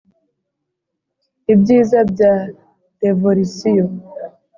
ibyiza bya revolisiyo